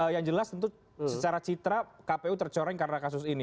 yang jelas tentu secara citra kpu tercoreng karena kasus ini